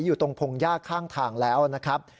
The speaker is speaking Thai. อยู่ตรงพงหญ้าข้างทางแล้วนะครับ